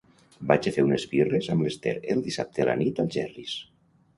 Vaig a fer unes birres amb l'Esther el dissabte a la nit al Jerry's.